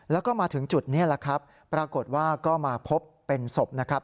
แล้วก็มาถึงจุดนี้แหละครับปรากฏว่าก็มาพบเป็นศพนะครับ